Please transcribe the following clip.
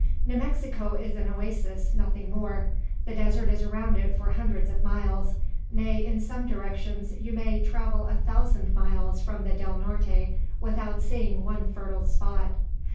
"New Mexico is an oasis, nothing more. The desert is around it for hundreds of miles; nay, in some directions you may travel a thousand miles from the Del Norte without seeing one fertile spot.